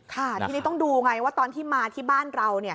ค่ะทีนี้ต้องดูไงว่าตอนที่มาที่บ้านเรา